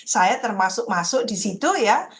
saya termasuk masuk disitu ya